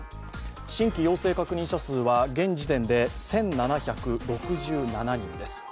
新規陽性確認者数は現時点で１７６７人です。